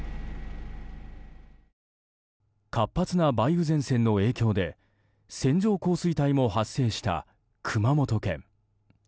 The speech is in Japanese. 活発な梅雨前線の影響で線状降水帯も発生した熊本県。